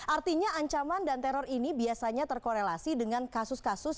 artinya ancaman dan teror ini biasanya terkorelasi dengan kasus kasus